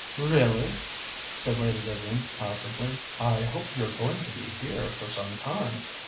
"Really?" said Lady Vivian placidly. "I hope you're going to be here for some time.